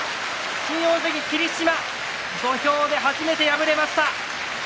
新大関霧島土俵で初めて敗れました。